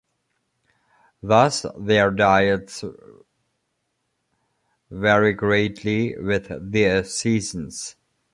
Thus, their diets vary greatly with the seasons.